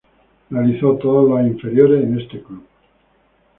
Realizó todas las inferiores en este club.